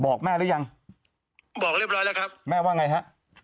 บอกแม่หรือยังบอกเรียบร้อยแล้วครับแม่ว่าไงฮะ